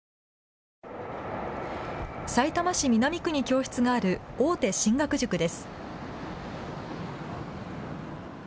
さいたま市南区に教室がある大手進学塾です。